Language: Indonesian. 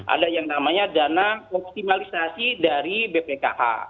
ada yang namanya dana optimalisasi dari bpkh